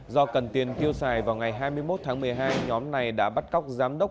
do cần tiền tiêu xài vào ngày hai mươi một tháng một mươi hai nhóm này đã bắt cóc giám đốc